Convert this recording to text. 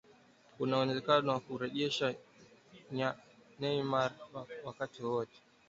kuna uwezekano wa kurejeshwa Myanmar wakati wowote